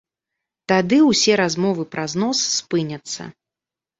Тады усе размовы пра знос спыняцца.